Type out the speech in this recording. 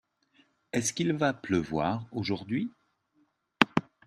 Est-ce qu'il va pleuvoir aujourd'hui ?